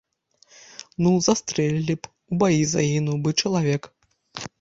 Ну, застрэлілі б, у баі загінуў бы чалавек.